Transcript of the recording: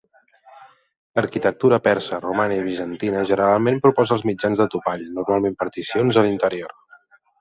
L'arquitectura persa, romana i bizantina generalment posposa els mitjans de topall, normalment particions, a l'interior.